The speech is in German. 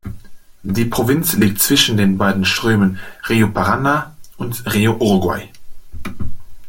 Die Provinz liegt zwischen den beiden Strömen Río Paraná und Río Uruguay.